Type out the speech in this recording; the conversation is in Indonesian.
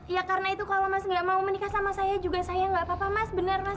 ya karena itu kalau mas nggak mau menikah sama saya juga saya nggak apa apa mas benar mas